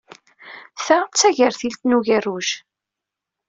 Ta d tagertilt n ugerruj.